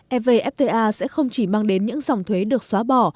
evfta sẽ không chỉ mang đến những dòng thuế được xóa bỏ